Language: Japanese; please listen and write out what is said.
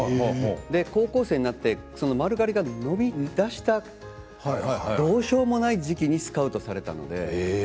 高校生になって丸刈りが伸びだしたころどうしようもない時期にスカウトされたんです。